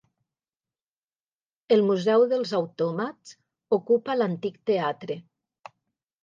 El Museu dels autòmats ocupa l'antic teatre.